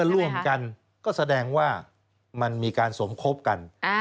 ร่วมกันก็แสดงว่ามันมีการสมคบกัน